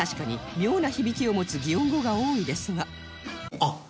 あっ！